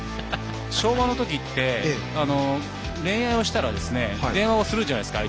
昭和のときって、恋愛をしたら電話をするじゃないですか。